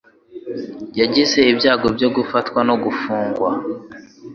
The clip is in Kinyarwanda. Yagize ibyago byo gufatwa no gufungwa